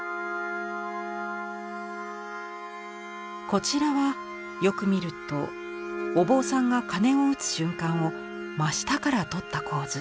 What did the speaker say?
こちらはよく見るとお坊さんが鐘を打つ瞬間を真下から撮った構図。